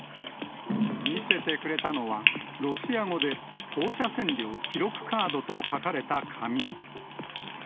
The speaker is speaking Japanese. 見せてくれたのは、ロシア語で、放射線量記録カードと書かれた紙。